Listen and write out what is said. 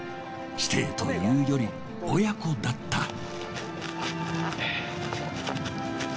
師弟というより親子だった。